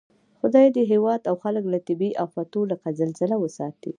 خدای دې هېواد او خلک له طبعي آفتو لکه زلزله وساتئ